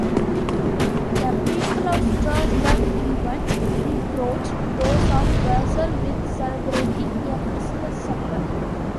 The people of Strasbourg even reproached those of Basel with celebrating a Christless supper.